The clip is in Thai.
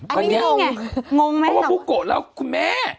อันนี้งงไงงงไหมสักวันเพราะว่าผู้โกะเราคุณแม่